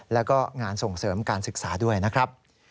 แล้วก็งานส่งเสริมการศึกษาด้วยนะครับ